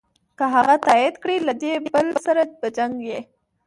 که هغه تایید کړې له دې بل سره په جنګ یې.